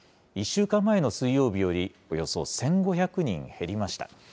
１週間前の水曜日より、およそ１５００人減りました。